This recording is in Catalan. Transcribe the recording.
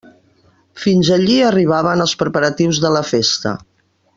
Fins allí arribaven els preparatius de la festa.